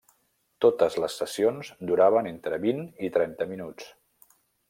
Totes les sessions duraven entre vint i trenta minuts.